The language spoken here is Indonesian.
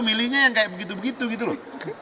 milihnya yang kayak begitu begitu gitu loh